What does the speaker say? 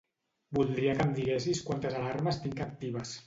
Voldria que em diguessis quantes alarmes tinc actives.